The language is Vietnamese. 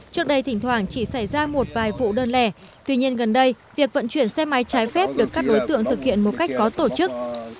trước đây thỉnh thoảng chỉ xảy ra một vài vụ đơn lẻ tuy nhiên gần đây việc vận chuyển xe máy trái phép được các đối tượng thực hiện một cách có tổ chức